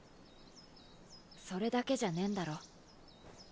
それだけじゃねえんだろう？